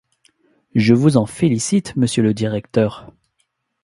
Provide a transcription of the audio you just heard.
Je vous en félicite, monsieur le directeur.